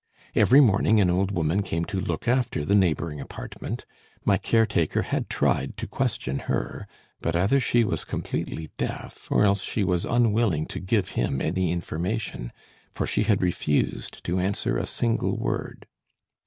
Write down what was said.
Every morning an old woman came to look after the neighboring apartment; my caretaker had tried to question her, but either she was completely deaf or else she was unwilling to give him any information, for she had refused to answer a single word.